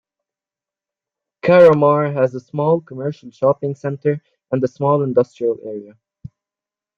Carramar has a small commercial shopping centre, and a small industrial area.